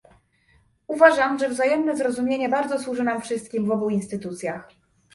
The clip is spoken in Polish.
Uważam, że wzajemne zrozumienie bardzo służy nam wszystkim w obu instytucjach